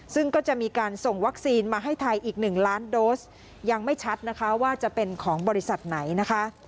ซึ่งก็จะมีการส่งวัคซีนมาให้ไทยอีก๑ล้านโดสยังไม่ชัดนะคะว่าจะเป็นของบริษัทไหนนะคะ